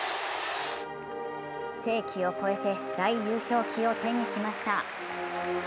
世紀を超えて大優勝旗を手にしました。